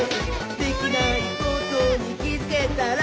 「できないことにきづけたら」もれる！